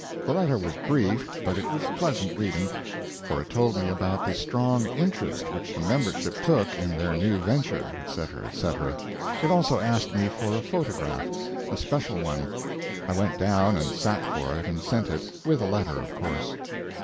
The letter was brief, but it was pleasant reading, for it told me about the strong interest which the membership took in their new venture, etc., etc. It also asked me for a photograph a special one. I went down and sat for it and sent it with a letter, of course.